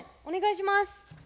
お願いします。